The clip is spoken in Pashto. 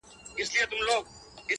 زه څلور ورځي مهلت درڅخه غواړم.!